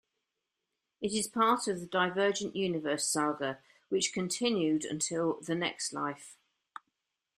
It is part of the "Divergent Universe" saga which continued until "The Next Life".